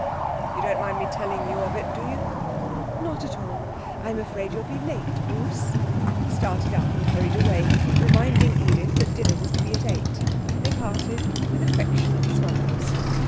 'You don't mind me telling you of it, do you?' 'Not at all. I'm afraid you will be late, Bruce.' He started up and hurried away, reminding Edith that dinner was to be at eight. They parted with affectionate smiles.